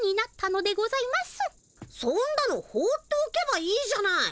そんなのほうっておけばいいじゃない。